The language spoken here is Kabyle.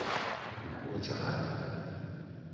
Ur kem-ḥwajeɣ ara.